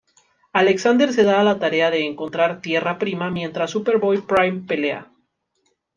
Alexander se da a la tarea de encontrar Tierra Prima mientras Superboy Prime pelea.